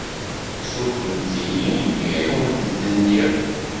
Ssurfemt-iyi imi ay awent-d-nniɣ.